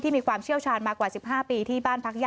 ที่มีความเชี่ยวชาญมากกว่า๑๕ปี